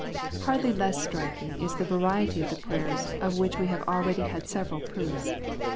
Hardly less striking is the variety of the prayers, of which we have already had several proofs.